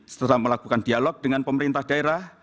setelah melakukan dialog dengan pemerintah daerah